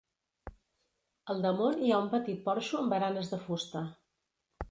Al damunt hi ha un petit porxo amb baranes de fusta.